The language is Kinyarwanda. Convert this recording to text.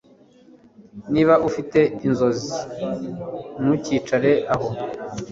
niba ufite inzozi, ntukicare aho